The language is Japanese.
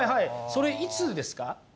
それいつですか？